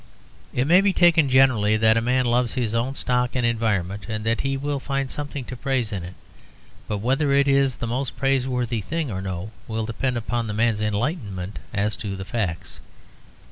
It may be taken generally that a man loves his own stock and environment, and that he will find something to praise in it; but whether it is the most praiseworthy thing or no will depend upon the man's enlightenment as to the facts.